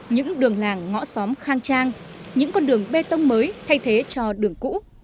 những đường làng ngõ xóm khang trang những con đường bê tông mới thay thế cho đường cũ